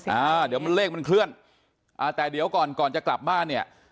แต่เดี๋ยวก่อนจะกลับบ้านเนี่ย